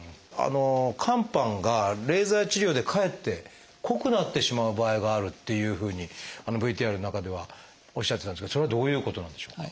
肝斑がレーザー治療でかえって濃くなってしまう場合があるっていうふうにＶＴＲの中ではおっしゃってたんですけどそれはどういうことなんでしょうか？